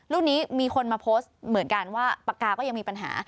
รูปนี้มีคนมาโพสต์เหมือนกันว่าปากกาก็ยังมีปัญหา